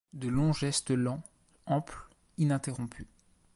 De longs gestes lents, amples, ininterrompus.